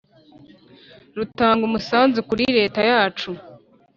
rutanga umusanzu kuri leta yacu